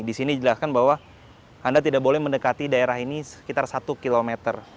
di sini jelaskan bahwa anda tidak boleh mendekati daerah ini sekitar satu km